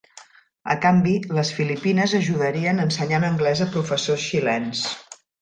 A canvi, les Filipines ajudarien ensenyant anglès a professors xilens.